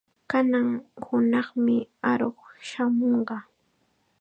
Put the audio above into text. Kanan hunaqmi aruq shamunqa.